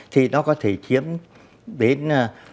thì nó có thể chiếm đến